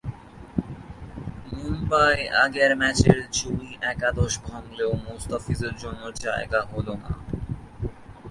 মুম্বাই আগের ম্যাচের জয়ী একাদশ ভাঙলেও মোস্তাফিজের জন্য জায়গা হলো না।